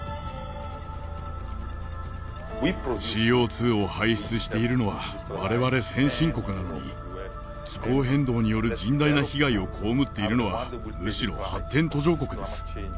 ＣＯ２を排出しているのはわれわれ先進国なのに気候変動による甚大な被害を被っているのはむしろ発展途上国です。